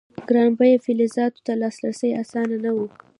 ګران بیه فلزاتو ته لاسرسی اسانه نه و.